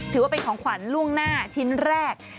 ถือว่าเป็นของขวัญล่วงหน้าชิ้นแรก